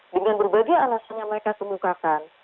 dengan berbagai alasannya mereka terbukakan